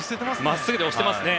まっすぐで押してますね。